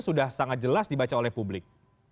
sudah sangat jelas dibaca oleh publik